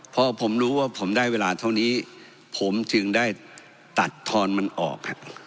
พอผมรู้ว่าผมได้เวลาเท่านี้ผมจึงได้ตัดทอนมันออก